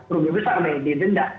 rugi besar nih di denda